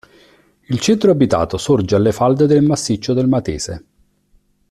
Il centro abitato sorge alle falde del massiccio del Matese.